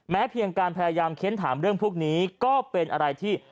เพียงการพยายามเค้นถามเรื่องพวกนี้ก็เป็นอะไรที่